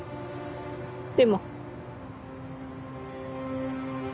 でも。